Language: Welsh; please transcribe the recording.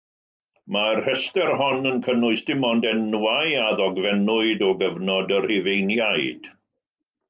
Mae'r rhestr hon yn cynnwys dim ond enwau a ddogfennwyd o gyfnod y Rhufeiniaid.